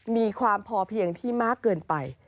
มีความพอเพียงที่มากเกินไป